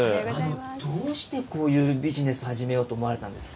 どうしてこういうビジネスを始めようと思われたんですか。